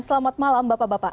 selamat malam bapak bapak